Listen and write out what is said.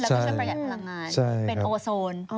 แล้วก็จะประหยัดพลังงานเป็นโอโซน